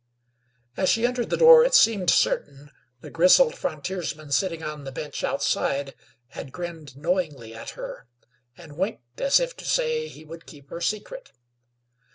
As she entered the door it seemed certain the grizzled frontiersman sitting on the bench outside had grinned knowingly at her, and winked as if to say he would keep her secret.